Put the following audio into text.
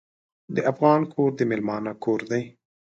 د افغان کور د میلمانه کور دی.